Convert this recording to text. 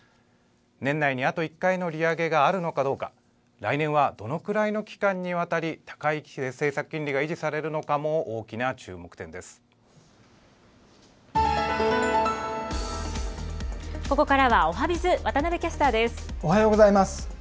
年内にあと１回の利上げがあるのかどうか、来年はどのぐらいの期間にわたり高い政策金利が維持されるかも大ここからはおはＢｉｚ、渡部おはようございます。